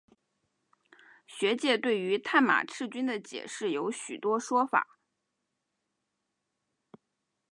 学界对于探马赤军的解释有许多说法。